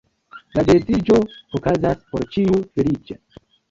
La geedziĝo okazas, por ĉiu feliĉe.